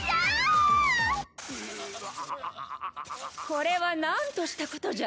これは何としたことじゃ！